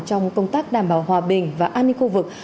trong công tác đảm bảo hòa bình và an ninh khu vực